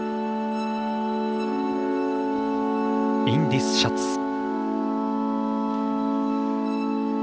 「イン・ディス・シャーツ」。